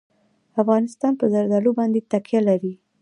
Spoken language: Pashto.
افغانستان په زردالو باندې تکیه لري.